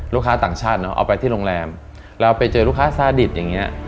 ต่างชาติเนอะเอาไปที่โรงแรมเราไปเจอลูกค้าซาดิตอย่างเงี้ย